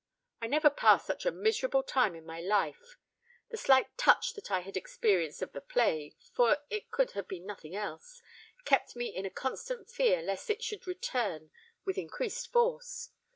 I never passed such a miserable time in my life. The slight touch that I had experienced of the plague—for it could have been nothing else—kept me in a constant fear lest it should return with increased force.